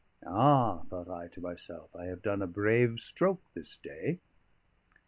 "Ah," thought I to myself, "I have done a brave stroke this day."